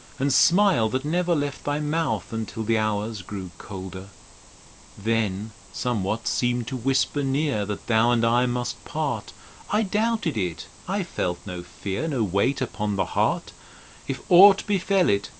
And smile that never left thy mouth Until the Hours grew colder : Then somewhat seem'd to whisper near That thou and I must part; I doubted it ; I felt no fear, No weight upon the heart : If aught befell it.